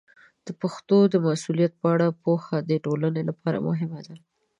د پښتو د مسوولیت په اړه پوهه د ټولنې لپاره مهمه ده.